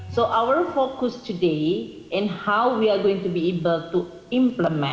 kondisi ini tidak hanya memperkuat mereka